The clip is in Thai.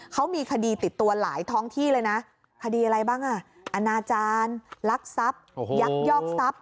เขามีคดีติดตัวหลายท้องที่เลยนะคดีอะไรบ้างอ่ะอนาจารย์ลักทรัพย์ยักยอกทรัพย์